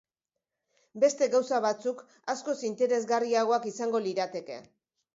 Beste gauza batzuk askoz interesgarriagoak izango lirateke.